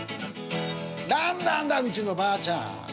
何なんだうちのばあちゃん。